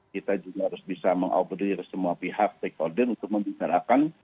kita juga harus bisa mengobodir semua pihak stakeholder untuk membicarakan